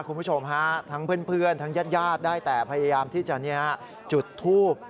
คุณผู้ชมฮะทั้งเพื่อนทั้งญาติได้แต่พยายามที่จะจุดทูบ